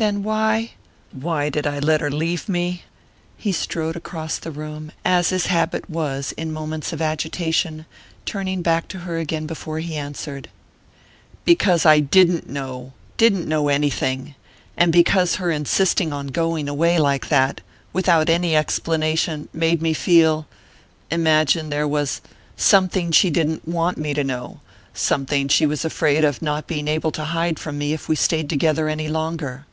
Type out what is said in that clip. "Then why ?" "Why did I let her leave me?" He strode across the room, as his habit was in moments of agitation, turning back to her again before he answered. "Because I didn't know didn't know anything! And because her insisting on going away like that, without any explanation, made me feel...imagine there was...something she didn't want me to know...something she was afraid of not being able to hide from me if we stayed together any longer."